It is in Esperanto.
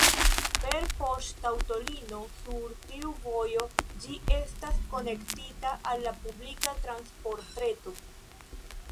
Per poŝtaŭtolinio sur tiu vojo, ĝi estas konektita al la publika transportreto.